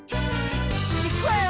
いくわよ！